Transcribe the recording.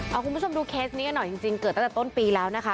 เอาคุณผู้ชมดูเคสนี้กันหน่อยจริงเกิดตั้งแต่ต้นปีแล้วนะคะ